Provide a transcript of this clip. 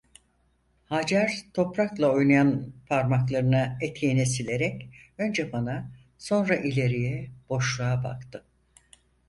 Hacer toprakla oynayan parmağını eteğine silerek, önce bana, sonra ileriye, boşluğa baktı.